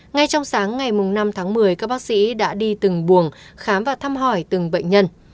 ngay trong sáng ngày năm tháng một mươi các bác sĩ đã đi từng buồng khám và thăm hỏi từng bệnh nhân